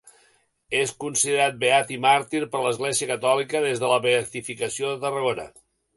És considerat beat i màrtir per l'Església Catòlica des de la Beatificació de Tarragona.